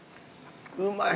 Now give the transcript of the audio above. うまい！